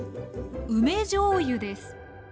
梅じょうゆです